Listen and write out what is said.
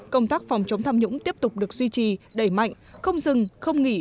công tác phòng chống tham nhũng tiếp tục được duy trì đẩy mạnh không dừng không nghỉ